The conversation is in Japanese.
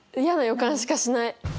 予感しかしない！